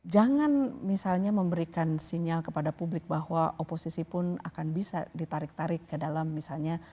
jangan misalnya memberikan sinyal kepada publik bahwa oposisi pun akan bisa ditarik tarik ke dalam misalnya